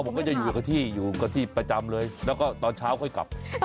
ถ้าเมาผมก็จะอยู่กับที่ประจำเลยแล้วก็ตอนเช้าค่อยกลับ